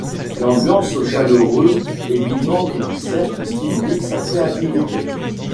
L’ambiance chaleureuse et vivante du cercle stimule sa créativité.